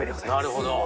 なるほど。